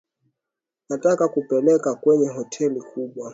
Nataka kukupeleka kwenye hoteli kubwa.